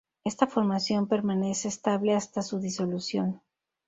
Esta formación permanece estable hasta su disolución.